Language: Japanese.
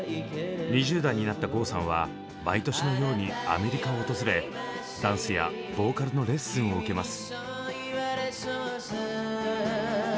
２０代になった郷さんは毎年のようにアメリカを訪れダンスやボーカルのレッスンを受けます。